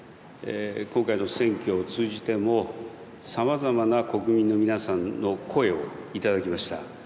今回の選挙を通じてもさまざまな国民の皆さんの声を頂きました。